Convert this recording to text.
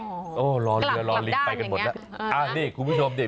กลับด้านเดียวอ่ะรอเรือรอลิบไปกันหมดล่ะอ้าวนี่นี่คุณผู้ชมนี่